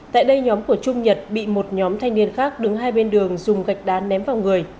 tại đây nhóm của trung nhật bị một nhóm thanh niên khác đứng hai bên đường dùng gạch đá ném vào người